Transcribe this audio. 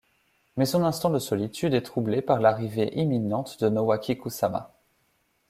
Mais son instant de solitude est troublé par l'arrivée imminente de Nowaki Kusama.